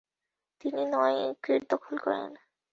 তিনি নয় উইকেট দখল করেন।